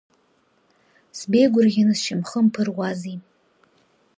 Сбеигәырӷьаны сшьамхы мԥыруази!